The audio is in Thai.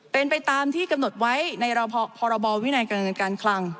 เป็นไปตามที่กำหนดไว้ในพรบวินัยการเงินการคลัง